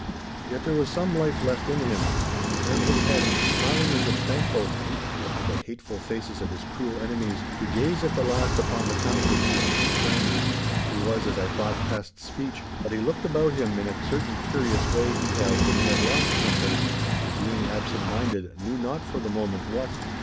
Yet there was some life left in him, and he turned his head, smiling as if thankful (after the hateful faces of his cruel enemies) to gaze at the last upon the countenances of friends. He was, as I thought, past speech; but he looked about him in a certain curious way he had when he had lost something, and, being absent minded, knew not for the moment what.